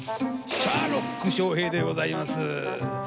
シャーロック・ショーヘイでございます。